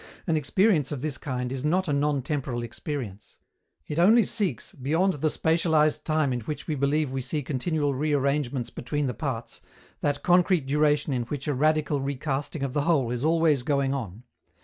An experience of this kind is not a non temporal experience. It only seeks, beyond the spatialized time in which we believe we see continual rearrangements between the parts, that concrete duration in which a radical recasting of the whole is always going on.